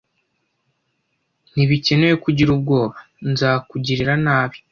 Ntibikenewe ko ugira ubwoba. Ntazakugirira nabi.